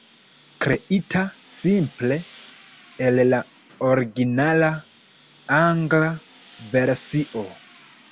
Kreita simple el la originala angla versio.